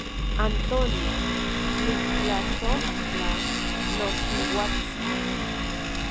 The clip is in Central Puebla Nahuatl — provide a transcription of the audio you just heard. Antonio, niktlasojtla nosiuatsin.